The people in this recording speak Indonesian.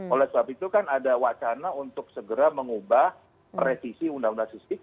oleh sebab itu kan ada wacana untuk segera mengubah revisi undang undang sistemik